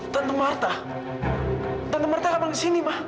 tante marta tante marta kenapa di sini ma